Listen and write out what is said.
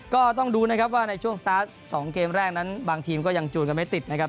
ก็ต้องดูนะครับว่าในช่วงสตาร์ท๒เกมแรกนั้นบางทีมก็ยังจูนกันไม่ติดนะครับ